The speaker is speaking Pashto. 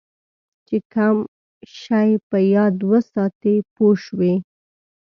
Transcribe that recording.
چې کم شی په یاد وساتې پوه شوې!.